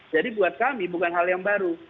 jadi buat kami bukan hal yang baru